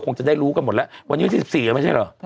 คงจะได้รู้กันหมดแล้ววันนี้๑๔อ่ะไม่ใช่หรอ